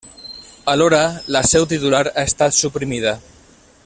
Alhora, la seu titular ha estat suprimida.